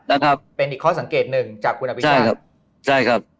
อ่าเป็นอีกข้อสังเกตหนึ่งจากคุณอภิชาธิ์ใช่ครับ